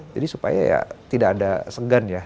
jadi supaya ya tidak ada segan ya